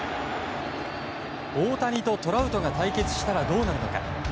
大谷とトラウトが対決したらどうなるか。